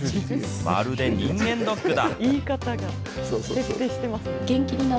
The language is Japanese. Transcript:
まるで人間ドックだ。